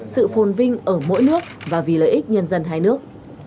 sự phồn vinh ở mỗi nước và vì lợi ích nhân dân hai nước